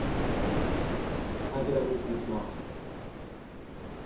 자기라고 부르지 마.